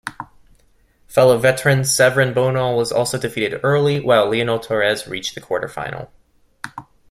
Fellow veteran Severine Bonal was also defeated early, while Lionel Torres reached the quarterfinal.